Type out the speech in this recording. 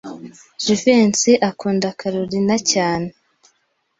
Jivency akunda Kalorina cyane.